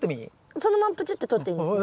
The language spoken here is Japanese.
そのままプチッてとっていいんですね？